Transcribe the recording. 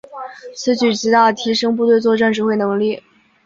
此举极大提升部队作战指挥能力。